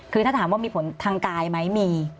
คือถ้าถามว่ามีผลทางกายไหมมี